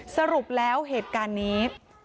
สรุปแล้วเหตุการณ์นี้